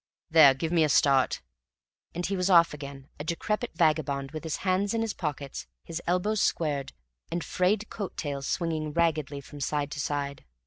There give me a start." And he was off again, a decrepit vagabond, with his hands in his pockets, his elbows squared, and frayed coat tails swinging raggedly from side to side.